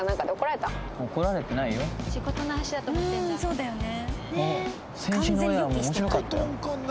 そうだよね。